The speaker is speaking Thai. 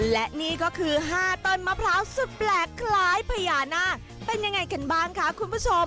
และนี่ก็คือ๕ต้นมะพร้าวสุดแปลกคล้ายพญานาคเป็นยังไงกันบ้างคะคุณผู้ชม